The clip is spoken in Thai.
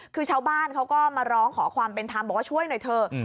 คือชาวบ้านเขาก็มาร้องขอความเป็นธรรมบอกว่าช่วยหน่อยเถอะ